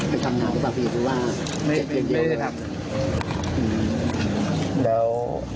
ปทำงานก็ประมาณทุกปีไม่ได้ทำ